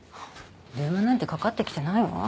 電話なんてかかってきてないわ。